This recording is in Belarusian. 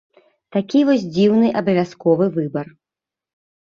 Такі вось дзіўны абавязковы выбар.